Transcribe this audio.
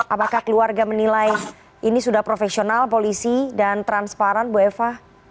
apakah keluarga menilai ini sudah profesional polisi dan transparan bu eva